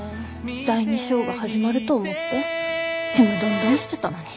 第２章が始まると思ってちむどんどんしてたのに。